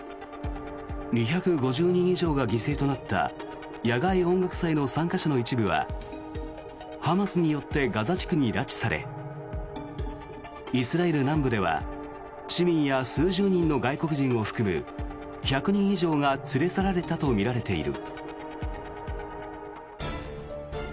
２５０人以上が犠牲となった野外音楽祭の参加者の一部はハマスによってガザ地区に拉致されイスラエル南部では市民や数十人の外国人を含む１００人以上が連れ去られたとみられている。